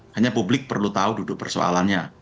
hanya publik perlu tahu duduk persoalannya